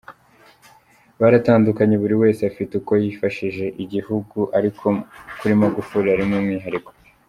Y: Baratandukanye, buri wese afite uko yafashije igihugu ariko kuri Magufuli harimo umwihariko.